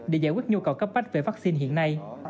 để giải quyết nhu cầu cấp bách về vaccine hiện nay